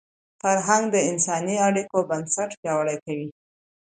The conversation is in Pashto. فرهنګ د انساني اړیکو بنسټ پیاوړی کوي.